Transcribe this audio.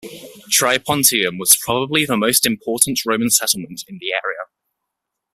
Tripontium was probably the most important Roman settlement in the area.